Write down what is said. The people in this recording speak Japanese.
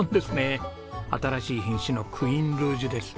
新しい品種のクイーンルージュです。